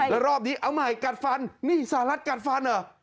แล้วรอบนี้เอาใหม่กัดฟันนี่สหรัฐกัดฟันเหรอ